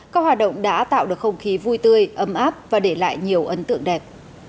các hoạt động đã tạo được không khí vui tươi ấm áp và để lại nhiều ấn tượng đẹp